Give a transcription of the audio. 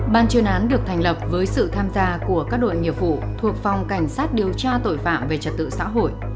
ban chuyên án được thành lập với sự tham gia của các đội nghiệp vụ thuộc phòng cảnh sát điều tra tội phạm về trật tự xã hội